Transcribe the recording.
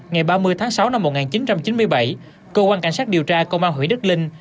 ngày ba mươi tháng sáu năm một nghìn chín trăm chín mươi bảy cơ quan cảnh sát điều tra công an huyện đức linh